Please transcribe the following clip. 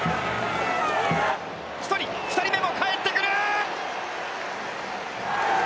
１人、２人目も帰ってくる。